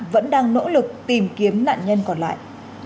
vẫn đang nỗ lực tìm kiếm nạn nhân còn lại